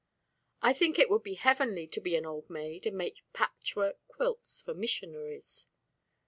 "I think it would be heavenly to be an old maid, and make patchwork quilts for missionaries."